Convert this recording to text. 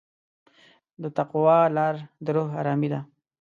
د تقوی لاره د روح ارامي ده.